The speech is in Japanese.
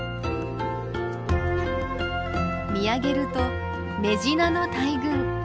見上げるとメジナの大群。